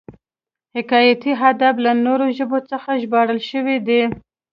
حکایتي ادب له نورو ژبو څخه ژباړل شوی دی